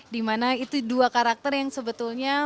di mana itu dua karakter yang sebetulnya